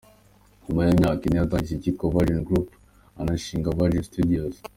Nyuma y’imyaka ine yatangije icyitwa Virgin Group, anashinga Virgin Studios.